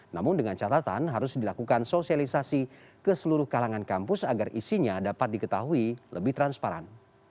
namun dengan catatan harus dilakukan sosialisasi ke seluruh kalangan kampus agar isinya dapat diketahui lebih transparan